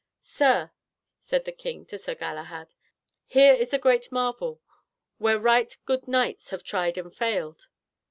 "Sir," said the king to Sir Galahad, "here is a great marvel, where right good knights have tried and failed."